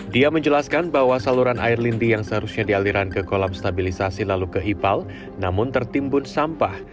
dia menjelaskan bahwa saluran air lindi yang seharusnya dialiran ke kolam stabilisasi lalu ke ipal namun tertimbun sampah